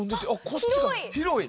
こっちが広い！